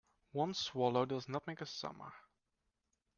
One swallow does not make a summer.